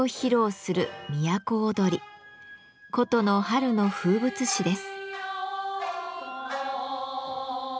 古都の春の風物詩です。